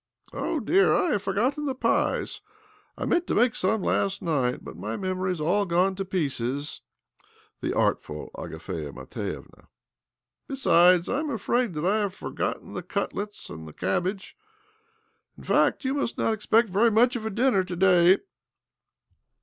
" Oh dear ! I have forgotten the pies I meant to make some last night, but m memory is all gone to pieces !" The artfi Agafia Matvievna !" Besides, I am afrai that I have forgotten the cutlets and tl cabbage. In fact, you must not expect vei much of a dinner to day."